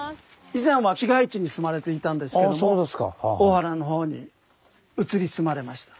以前は市街地に住まれていたんですけども大原のほうに移り住まれました。